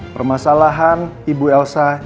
permasalahan ibu elsa